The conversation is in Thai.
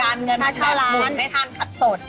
การเงินคุณแบบหุ่นไม่ทันคัดสด